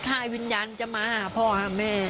ถ้าวิญญาณจะมาหาพ่อหาแม่